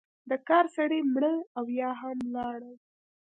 د کار سړی مړه او یا هم ولاړل.